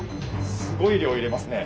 すごい量入れますね。